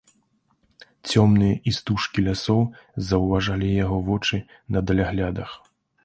Цёмныя істужкі лясоў заўважалі яго вочы на даляглядах.